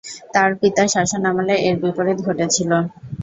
তাঁর পিতার শাসনামলে এর বিপরীত ঘটেছিল।